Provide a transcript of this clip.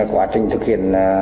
quá trình thực hiện